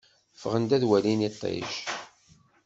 Ffɣen-d ad walin iṭij.